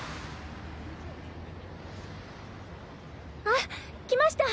あ来ました。